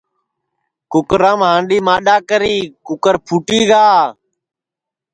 کُکرام ہانڈؔی مانڈؔا کری کُکر پھٹی گا